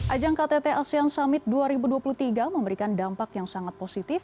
ajang ktt asean summit dua ribu dua puluh tiga memberikan dampak yang sangat positif